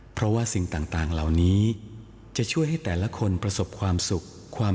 เพราะว่าสิ่งต่างเหล่านี้จะช่วยให้แต่ละคนประสบความสุขความ